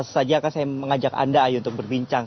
saja saya mengajak anda ayu untuk berbincang